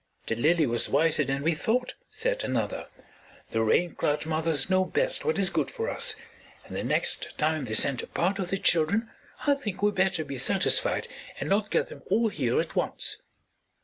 "The lily was wiser than we thought," said another. "The Rain Cloud mothers know best what is good for us, and the next time they send a part of their children I think we better be satisfied and not get them all here at once."